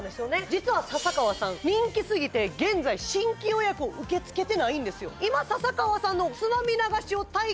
実は笹川さん人気すぎて現在新規予約を受け付けてないんですよ